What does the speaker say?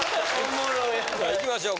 さあいきましょう。